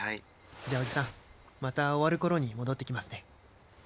じゃあおじさんまた終わる頃に戻ってきますね。